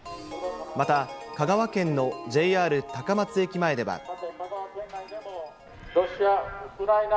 また香川県のＪＲ高松駅前では。